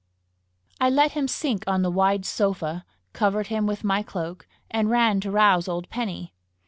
I let him sink on the wide sofa, covered him with my cloak, and ran to rouse old Penny.